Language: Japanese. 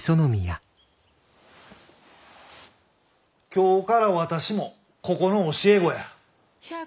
今日から私もここの教え子や。